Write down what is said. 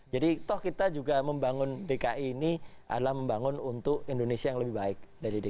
jadi toh kita juga membangun dki ini adalah membangun untuk indonesia yang lebih baik dari dki